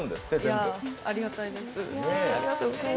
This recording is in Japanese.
ありがたいです。